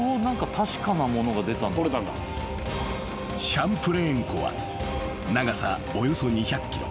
［シャンプレーン湖は長さおよそ２００ｋｍ。